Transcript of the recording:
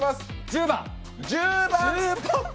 １０番！